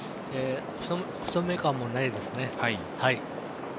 太め感もないですね。